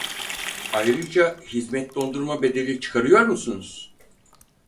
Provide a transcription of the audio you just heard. Ayrıca hizmet dondurma bedeli çıkarıyor musunuz